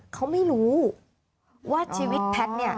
เขาไม่รู้ว่าชีวิตแพทย์เนี่ย